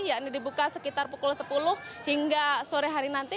yang ini dibuka sekitar pukul sepuluh hingga sore hari nanti